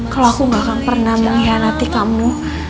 kalau aku gak akan pernah mengkhianati kamu